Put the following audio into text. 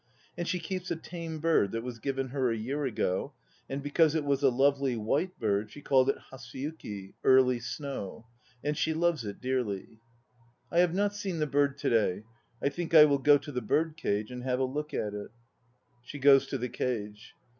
And she keeps a tame bird that was given her a year ago, and because it was a lovely white bird she called it Hatsuyuki, Early Snow; and she loves it dearly. I have not seen the bird to day. I think I will go to tta bird cage and have a look at it. (She, goes to the cage.)